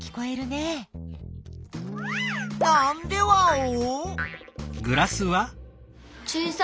なんでワオ？